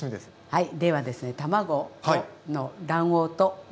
はい。